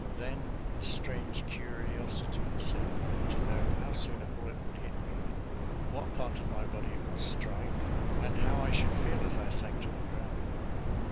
Then a strange curiosity as sailed me to know how soon a bullet would hit me, what part of my body it would strike, and how I should feel as I sank to the ground.